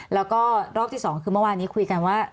แล้วก็รอบที่๒คือเมื่อวานนี้คุยกันว่า